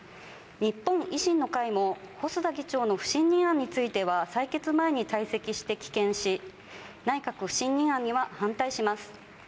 日本維新の会も細田議長の不信任案については採決前に退席して棄権し、内閣不信任案には反対します。